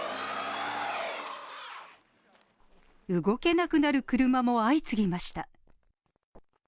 動けなくなる車も相次ぎました。